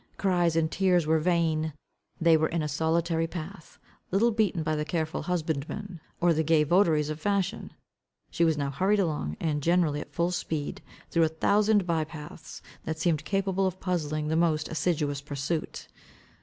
Cries and tears were vain. They were in a solitary path, little beaten by the careful husbandman, or the gay votaries of fashion. She was now hurried along, and generally at full speed, through a thousand bye paths, that seemed capable of puzzling the most assiduous pursuit.